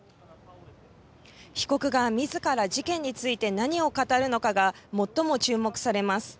被告がみずから事件について何を語るのかが最も注目されます。